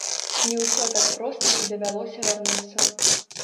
Не ўсё так проста і давялося вярнуцца.